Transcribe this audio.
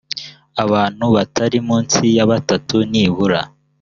abantu batari munsi ya batatu nibura